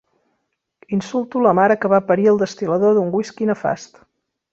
Insulto la mare que va parir el destil·lador d'un whisky nefast.